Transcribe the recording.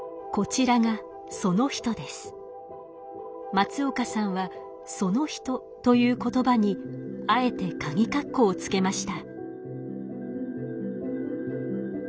松岡さんは「その人」という言葉にあえてかぎかっこを付けました。